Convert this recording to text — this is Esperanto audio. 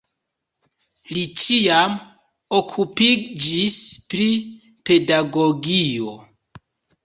Li ĉiam okupiĝis pri pedagogio.